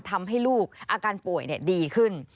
ทำให้ลูกอาการป่วยดีขึ้น